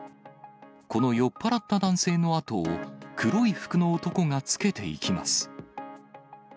この酔っ払った男性の後を、黒い服の男がつけていきます。